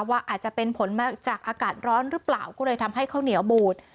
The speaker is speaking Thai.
อาจจะเป็นผลมาจากอากาศร้อนหรือเปล่าก็เลยทำให้ข้าวเหนียวบูด